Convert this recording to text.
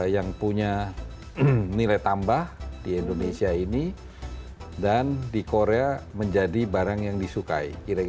yang punya nilai tambah di indonesia ini dan di korea menjadi barang yang disukai